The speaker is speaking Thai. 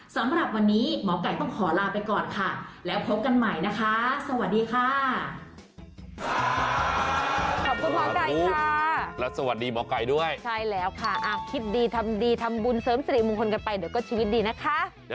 สำหรับวันนี้หมอไก่ต้องขอลาไปก่อนค่ะแล้วพบกันใหม่นะคะสวัสดีค่ะ